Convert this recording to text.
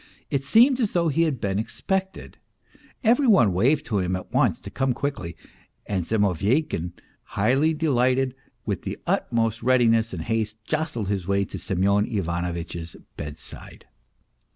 It seemed as though he had been expected, every one waved to him at once to come quickly, and Zimoveykin, highly delighted, with the utmost readiness and haste jostled his way to Semyon Ivanovitch's bedside.